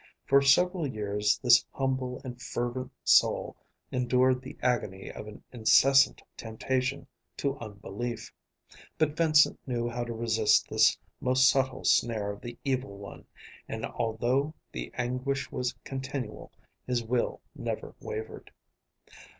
For several years this humble and fervent soul endured the agony of an incessant temptation to unbelief. But Vincent knew how to resist this most subtle snare of the Evil One, and, although the anguish was continual, his will never wavered.